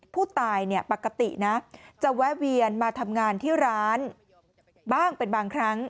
ผู้ตายปกตินะจะแวะเวียนมาทำงานที่ร้านบ้างเป็นบางครั้ง